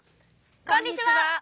こんにちは。